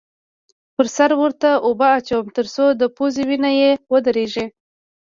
پر سر ورته اوبه اچوم؛ تر څو د پوزې وینه یې ودرېږې.